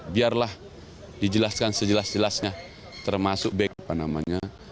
biarlah dijelaskan sejelas jelasnya termasuk back apa namanya